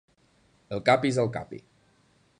El Capi és el Capi.